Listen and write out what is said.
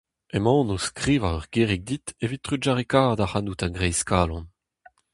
Emaon o skrivañ ur gerig dit evit trugarekaat ac'hanout a-greiz-kalon.